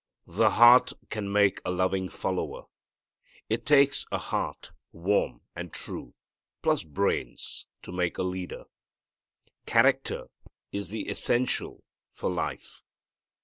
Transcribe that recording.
The heart can make a loving follower. It takes a heart, warm and true, plus brains to make a leader. Character is the essential for life.